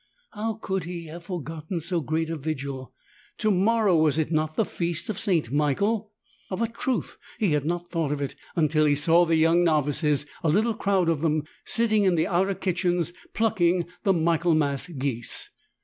How could he have forgotten so great a vigil ! To morrow — was it not the feast of St. Michael? Of a truth he had not thought of it until he saw the young novices, a little crowd of them, sitting in the outer kitchens plucking the Michael mas geese.